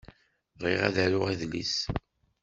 Bɣiɣ ad d-aruɣ adlis.